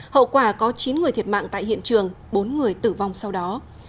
hậu quả có chín người thiệt mạng tại hiện trường bốn người tử vong sau đó